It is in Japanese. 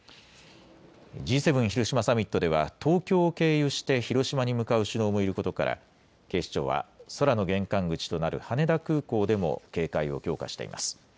Ｇ７広島サミットでは東京を経由して広島に向かう首脳もいることから警視庁は空の玄関口となる羽田空港でも警戒を強化しています。